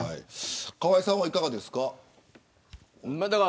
河井さん、いかがですか。